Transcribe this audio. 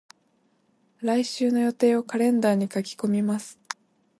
来週の予定をカレンダーに書き込みます。